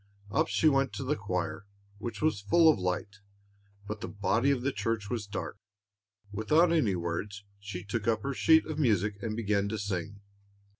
Up she went to the choir, which was full of light, but the body of the church was dark. Without any words, she took up her sheet of music and began to sing.